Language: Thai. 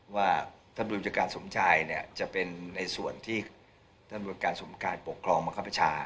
ว่าท่านบุญจักรการสมชายจะเป็นในส่วนที่ท่านบุญจักรการสมการปกครองมหัวข้าวประชา